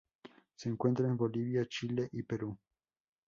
Se encuentra en Bolivia, Chile y Perú.